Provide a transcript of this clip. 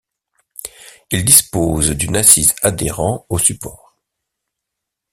Ils disposent d'une assise adhérant au support.